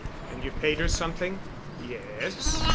And you've paid her something?" "Yes.